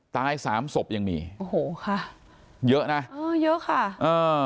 ตายสามศพยังมีโอ้โหค่ะเยอะนะเออเยอะค่ะอ่า